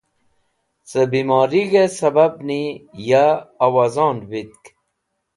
Cẽ bimorig̃h sẽbabni ya owozon vitk.